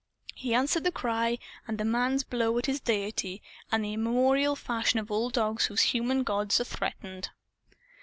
He answered the cry and the man's blow at his deity in the immemorial fashion of all dogs whose human gods are threatened.